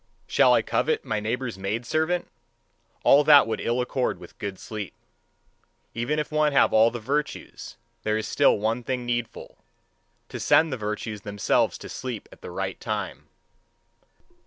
Shall I covet my neighbour's maidservant? All that would ill accord with good sleep. And even if one have all the virtues, there is still one thing needful: to send the virtues themselves to sleep at the right time.